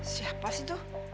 siapa sih tuh